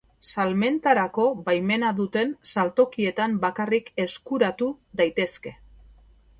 Salmentarako baimena duten saltokietan bakarrik eskuratu daitezke.